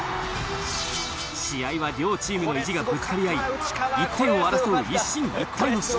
試合は両チームの意地がぶつかり合い１点を争う一進一退の死闘に！